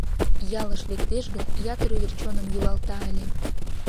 Ялыш лектеш гын, ятыр ӱдыр чоным йӱлалта ыле.